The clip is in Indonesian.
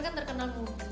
kehidupan itu apa mel